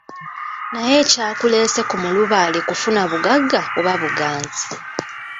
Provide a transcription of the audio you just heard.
Naye ekyakuleese ku mulubaale kufuna bugagga oba buganzi?